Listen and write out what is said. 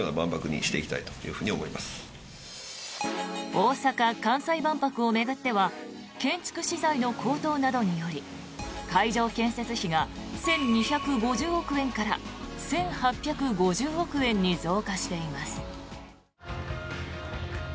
大阪・関西万博を巡っては建築資材の高騰などにより会場建設費が１２５０億円から１８５０億円に増加しています。